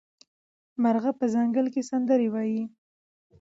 مرغه په ځنګل کې سندرې وايي.